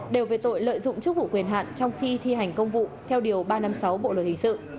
đều về tội lợi dụng chức vụ quyền hạn trong khi thi hành công vụ theo điều ba trăm năm mươi sáu bộ luật hình sự